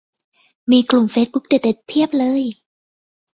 มีกลุ่มเฟซบุ๊กเด็ดเด็ดเพียบเลย